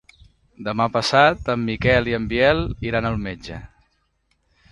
Demà passat en Miquel i en Biel iran al metge.